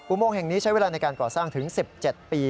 โมงแห่งนี้ใช้เวลาในการก่อสร้างถึง๑๗ปี